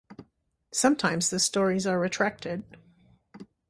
Sometimes the stories are retracted.